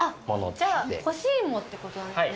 じゃあ、干し芋ってことですね。